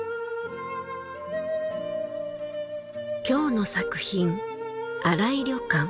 今日の作品